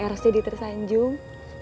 ar sedih tersanjung